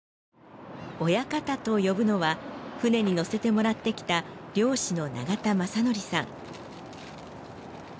親方と呼ぶのは船に乗せてもらってきた漁師の長田真典さん。